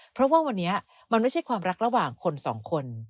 เพราะว่าวันนี้มันไม่ใช่ความรักระหว่างคนสองคน